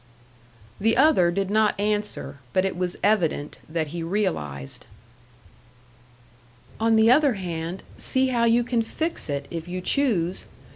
The other did not answer, but it was evident that he realised. "On the other hand, see how you can fix it, if you choose.